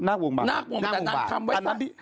นางบวงบาดนางบวงบาดนางทำไว้ไว้